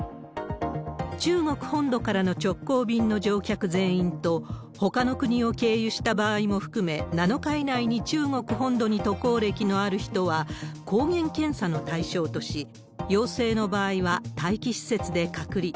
中国本土からの直行便の乗客全員と、ほかの国を経由した場合も含め、７日以内に中国本土に渡航歴のある人は、抗原検査の対象とし、陽性の場合は待機施設で隔離。